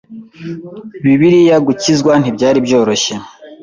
Bibiliya gukizwa ntibyari byoroshye